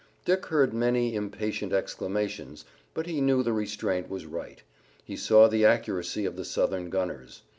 Dick heard many impatient exclamations, but he knew the restraint was right. He saw the accuracy of the Southern gunners.